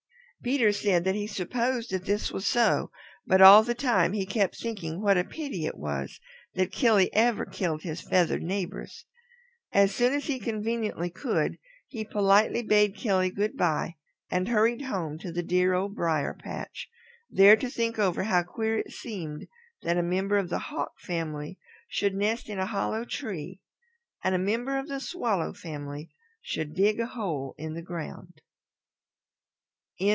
Peter said that he supposed that this was so, but all the time he kept thinking what a pity it was that Killy ever killed his feathered neighbors. As soon as he conveniently could he politely bade Killy good by and hurried home to the dear Old Briar patch, there to think over how queer it seemed that a member of the hawk family should nest in a hollow tree and a member of the Swallow family should dig a hole in the ground.